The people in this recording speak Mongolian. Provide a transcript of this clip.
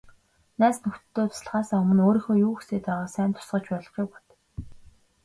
Найз нөхдөдөө туслахаасаа өмнө өөрийнхөө юу хүсээд байгааг сайн тусгаж ойлгохыг бод.